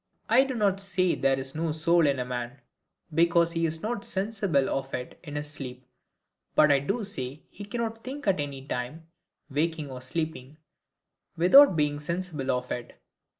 I do not say there is no SOUL in a man, because he is not sensible of it in his sleep; but I do say, he cannot THINK at any time, waking or sleeping, without being sensible of it.